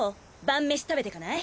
晩飯食べてかない？